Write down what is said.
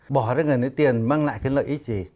bỏ ra gần cái tiền mang lại cái lợi ích gì